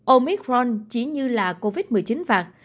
omicron chỉ như là covid một mươi chín vạn